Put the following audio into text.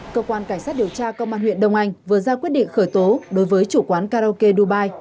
cơ quan cảnh sát điều tra công an huyện đông anh vừa ra quyết định khởi tố đối với chủ quán karaoke dubai